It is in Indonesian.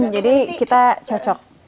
jadi kita cocok